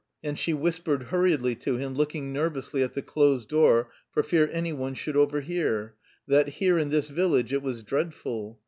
And she whispered hurriedly to him, looking nervously at the closed door for fear anyone should overhear that here in this village, it was dreadful.